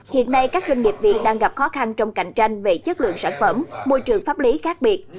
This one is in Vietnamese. hiện nay các doanh nghiệp việt đang gặp khó khăn trong cạnh tranh về chất lượng sản phẩm môi trường pháp lý khác biệt